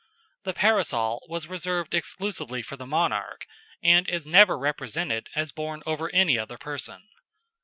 The parasol was reserved exclusively for the monarch, and is never represented as borne over any other person."